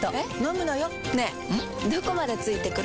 どこまで付いてくる？